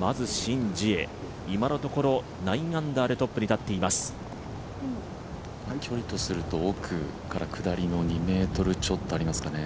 まずシン・ジエ、今のところ９アンダーでトップに立っています距離とすると奥から下りの２ｍちょっとありますかね。